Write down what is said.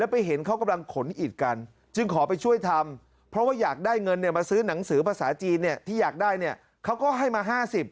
เพราะว่าอยากได้เงินมาซื้อหนังสือภาษาจีนที่อยากได้เขาก็ให้มา๕๐บาท